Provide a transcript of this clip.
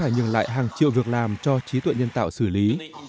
nhường lại hàng triệu việc làm cho trí tuệ nhân tạo xử lý